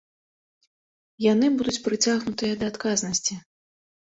Яны будуць прыцягнутыя да адказнасці.